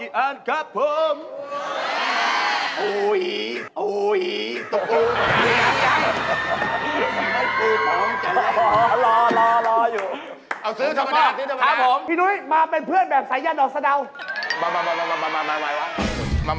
พี่นุ๊ยมาเป็นเพื่อนแบบสายญาณดอกสนับ